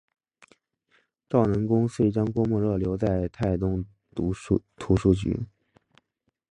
赵南公遂将郭沫若留在泰东图书局。